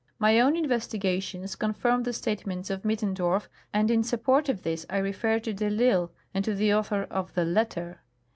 M}^ own investigations confirm the statements of Middendorf, and in support of this I refer to de I'lsle and to the author of the " Letter."